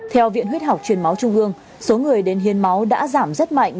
theo viện huyết học truyền máu trung ương số người đến hiến máu đã giảm rất mạnh